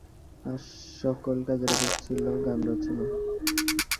আর সকল কাজের উপর ছিল গান রচনা।